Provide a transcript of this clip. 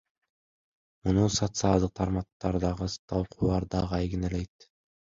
Муну социалдык тармактардагы талкуулар дагы айгинелейт.